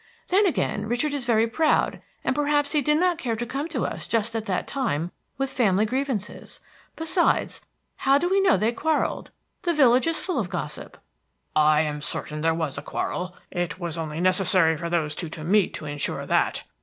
Then, again, Richard is very proud, and perhaps he did not care to come to us just at that time with family grievances. Besides, how do we know they quarreled? The village is full of gossip." "I am certain there was a quarrel; it was only necessary for those two to meet to insure that.